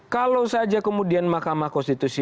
kalau saja kemudian mahkamah konstitusi